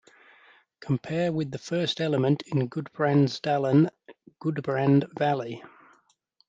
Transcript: Compare with the first element in "Gudbrandsdalen" 'Gudbrand Valley'.